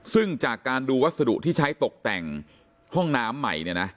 ซึ่งจากการดูวัสดุที่ใช้ตกแต่งห้องน้ำใหม่เนี่ยนะ